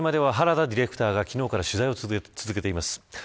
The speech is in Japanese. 宮古島では、原田ディレクターが昨日から取材を続けています。